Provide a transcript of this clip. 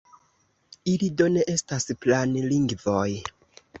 Ili do ne estas "planlingvoj".